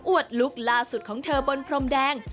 ลุคล่าสุดของเธอบนพรมแดง